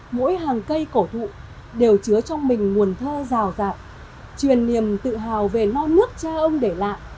mỗi hàng cây cổ thụ đều chứa trong mình nguồn thơ rào rạng truyền niềm tự hào về non nước cha ông để lại